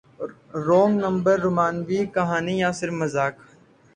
wrong number رومانوی کہانی یا صرف مذاق